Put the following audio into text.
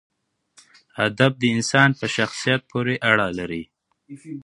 ادب د انسان په شخصیت پورې اړه لري.